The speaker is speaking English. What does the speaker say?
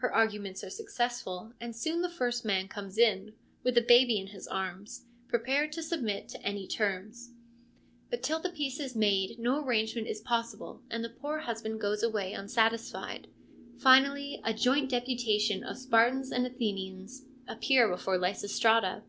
Her arguments are successful, and soon the first man comes in, with a baby in his arms, prepared to submit to any terms. But till the peace is made, no arrangement is possible and the poor husband goes away unsatisfied. Finally, a joint deputation of Spartans and Athenians appear before Lysistrata.